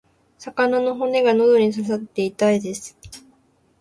魚の骨が喉に刺さって痛いです。